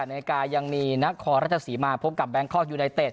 ๑๘นาทียังมีนักข้อรัฐศรีมาฆ์พบกับแบงค์คลอธยูนายเต็ท